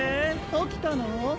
起きたの？